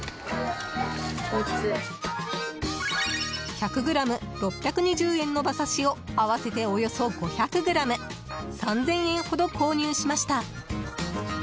１００ｇ＝６２０円の馬刺しを合わせて、およそ５００ｇ３０００円ほど購入しました。